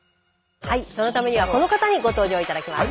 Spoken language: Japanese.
そのためにはこの方にご登場頂きます。